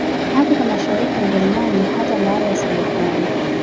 Afrika Mashariki ya Ujerumani hata baada ya serikali